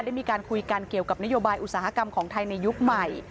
ได้มีการคุยกันเกี่ยวกับนโยบายอุตสาหกรรมของไทยในยุคใหม่